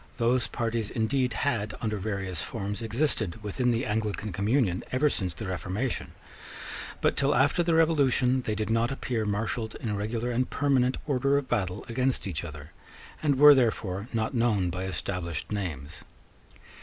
Those parties indeed had, under various forms, existed within the Anglican communion ever since the Reformation; but till after the Revolution they did not appear marshalled in regular and permanent order of battle against each other, and were therefore not known by established names.